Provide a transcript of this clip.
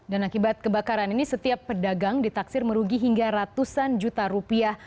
dan akibat kebakaran ini setiap pedagang ditaksir merugi hingga ratusan juta rupiah